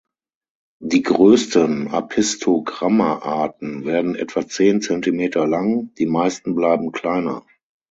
Die größten "Apistogramma"-Arten werden etwa zehn Zentimeter lang, die meisten bleiben kleiner.